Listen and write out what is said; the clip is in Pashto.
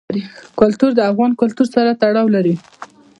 کلتور د افغان کلتور سره تړاو لري.